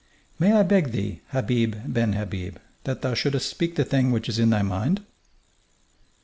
"May I beg thee, Habib ben Habib, that thou shouldst speak the thing which is in thy mind?"